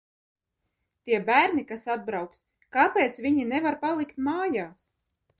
Tie bērni, kas atbrauks, kāpēc viņi nevar palikt mājās?